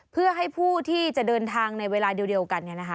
เพื่อให้ผู้ที่จะเดินทางในเวลาเดียวกัน